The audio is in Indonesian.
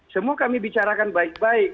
semua kami bicarakan baik baik